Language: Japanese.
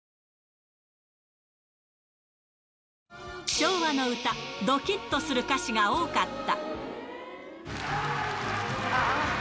昭和の歌、どきっとする歌詞が多かった。